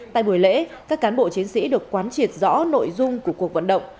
tại buổi lễ các cán bộ chiến sĩ được quán triệt rõ nội dung của cuộc vận động